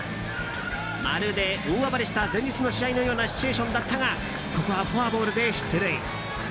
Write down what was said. まるで、大暴れした前日の試合のようなシチュエーションだったがここはフォアボールで出塁。